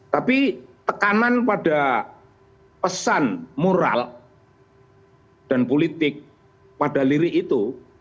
tapi tekanan pada pesan moral dan politik pada lirik itu